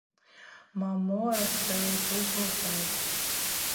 Мамораса йылхӏвуз лхӏватӏ.